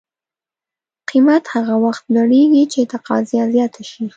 قیمت هغه وخت لوړېږي چې تقاضا زیاته شي.